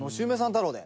太郎で。